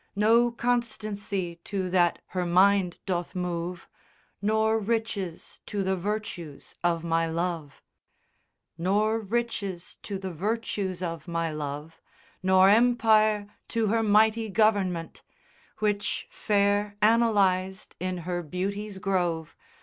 No constancy to that her mind doth move, Nor riches to the virtues of my love. VIII. Nor riches to the virtues of my love, Nor empire to her mighty government; Which fair analysed in her beauties' grove, GEORGE CHAPMAN.